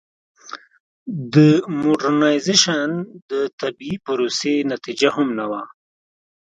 د موډرنیزېشن د طبیعي پروسې نتیجه هم نه وه.